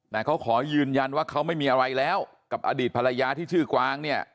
แต่เขาขอยืนยันว่าเขาไม่มีอะไรแล้วกับอดีตภรรยาที่ชื่อกวางเนี่ย